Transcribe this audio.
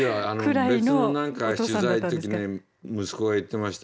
別の何か取材の時ね息子が言ってました。